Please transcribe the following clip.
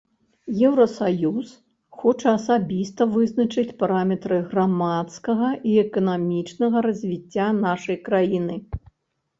Еўрасаюз хоча асабіста вызначаць параметры грамадскага і эканамічнага развіцця нашай краіны.